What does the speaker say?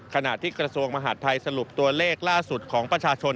ขณะที่กระทรวงมหาดไทยสรุปตัวเลขล่าสุดของประชาชน